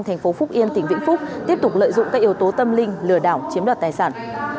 thành phố phúc yên tỉnh vĩnh phúc tiếp tục lợi dụng các yếu tố tâm linh lừa đảo chiếm đoạt tài sản